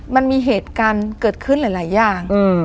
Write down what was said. มันมีเหตุการณ์เกิดขึ้นหลายอย่าง